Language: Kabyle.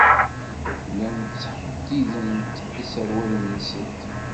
Llant ttḥeddident iserwalen-nsent.